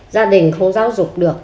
gia đình không giáo dục được